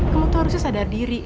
kamu tuh harusnya sadar diri